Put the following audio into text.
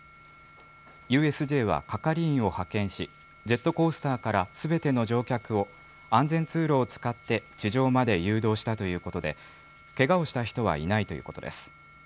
ＵＳＪは係員を派遣し、ジェットコースターからすべての乗客を、安全通路を使って地上まで誘導したということで、けがをした人はいないということです。